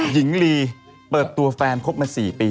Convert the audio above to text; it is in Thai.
หญิงลีเปิดตัวแฟนคบมา๔ปี